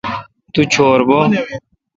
تو چور بھو۔